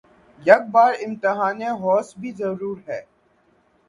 یک بار امتحانِ ہوس بھی ضرور ہے